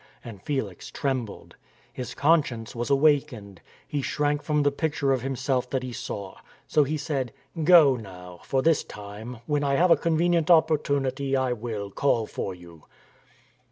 And Felix trembled. His conscience was awakened. He shrank from the picture of himself that he saw. So he said : "Go now, for this time; when I have a convenient opportunity, I will call for you."